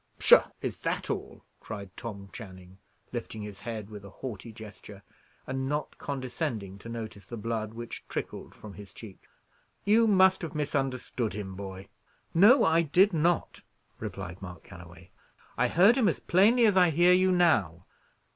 "Pshaw! is that all?" cried Tom Channing, lifting his head with a haughty gesture, and not condescending to notice the blood which trickled from his cheek. "You must have misunderstood him, boy." "No, I did not," replied Mark Galloway. "I heard him as plainly as I hear you now."